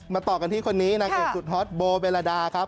ต่อกันที่คนนี้นางเอกสุดฮอตโบเบลดาครับ